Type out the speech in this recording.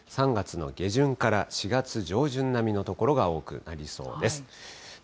３月の下旬から４月上旬並みの所が多くなりそうです。